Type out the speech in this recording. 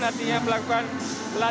nantinya melakukan latihan